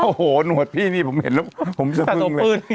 โอ้โหหนวดพี่นี่ผมเห็นแล้วผมสะพึงเลย